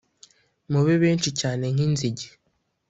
mube benshi cyane nk inzige